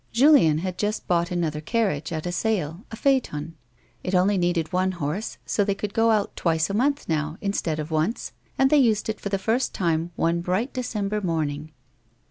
Julien had just bought another carriage at a sale, a phaeton. It only needed one horse so they could go out twice a month, now, instead of once, and they used it for the first time one bright December morning.